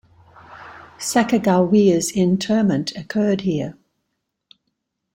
Sacagawea's interment occurred here.